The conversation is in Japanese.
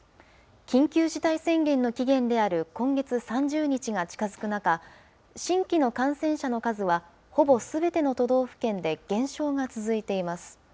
緊急事態宣言の期限である今月３０日が近づく中、新規の感染者の数は、ほぼすべての都道府県で減少が続いています。